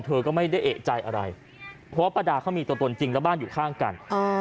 เธอก็ไม่ได้เอกใจอะไรเพราะว่าป้าดาเขามีตัวตนจริงแล้วบ้านอยู่ข้างกัน